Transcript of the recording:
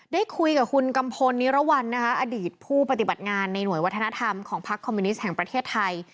ได้คุยกับคุณกัมพลนิรวรรณนะคะอดีตผู้ปฏิบัติงานในหน่วยวัฒนธรรมของพักคอมมิวนิสต์แห่งประเทศไทย